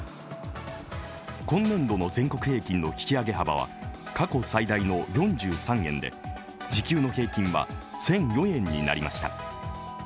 今年度の全国平均の引き上げ幅は過去最大の４３円で、時給の平均は１００４円になりました。